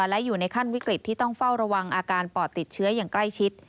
และอยู่ในขั้นวิกฤตที่ต้องเฝ้าระวังอาการปอดติดเชื้ออย่างใกล้ชิด